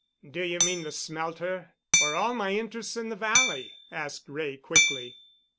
"Do you mean the smelter—or all my interests in the Valley?" asked Wray quickly.